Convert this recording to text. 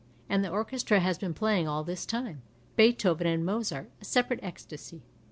... And the orchestra has been playing all this time, Beethoven and Mozart, a " separate ecstasy."